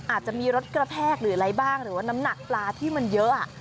อาจจะมีรถกระแทกหรืออะไรบ้างหรือว่าน้ำหนักปลาที่มันเยอะ